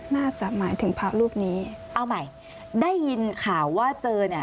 น่าจะหมายถึงพระรูปนี้เอาใหม่ได้ยินข่าวว่าเจอเนี่ย